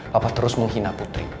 papa terus menghina putri